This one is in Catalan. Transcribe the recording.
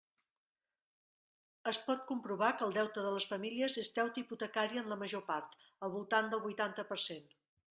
Es pot comprovar que el deute de les famílies és deute hipotecari en la major part, al voltant del huitanta per cent.